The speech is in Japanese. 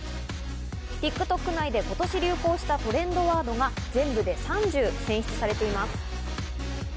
ＴｉｋＴｏｋ内で今年流行したトレンドワードが全部で３０、選出されています。